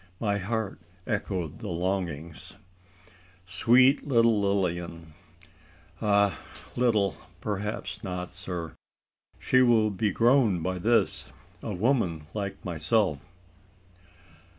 My heart echoed the longings. "Sweet little Lilian! Ah little perhaps not, sir? She will be grown by this? A woman like myself?"